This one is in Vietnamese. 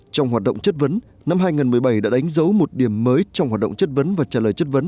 trong hoạt động chất vấn năm hai nghìn một mươi bảy đã đánh dấu một điểm mới trong hoạt động chất vấn và trả lời chất vấn